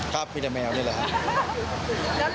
คราบเพียงจะแมวนี่แหละครับ